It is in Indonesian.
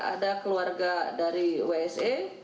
ini adalah keluarga dari wsa